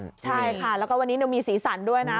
ใช่ค่ะแล้วก็วันนี้หนูมีสีสันด้วยนะ